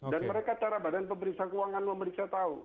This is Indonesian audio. dan mereka cara bdpk memeriksa tahu